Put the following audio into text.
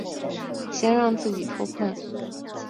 先让自己脱困